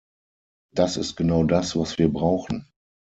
Das ist genau das, was wir brauchen.